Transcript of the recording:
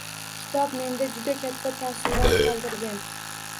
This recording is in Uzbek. Kitob menda juda katta taassurot qoldirgan